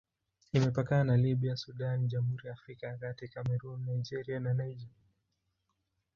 Imepakana na Libya, Sudan, Jamhuri ya Afrika ya Kati, Kamerun, Nigeria na Niger.